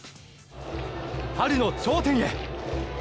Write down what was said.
春の頂点へ。